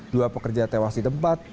dua pekerja tewas di tempat